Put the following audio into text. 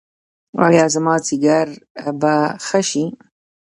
ایا زما ځیګر به ښه شي؟